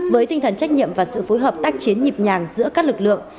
với tinh thần trách nhiệm và sự phối hợp tác chiến nhịp nhàng giữa các lực lượng